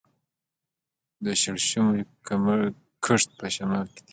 د شړشمو کښت په شمال کې دی.